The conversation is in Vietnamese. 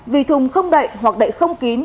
vì thùng không đậy hoặc đậy không kín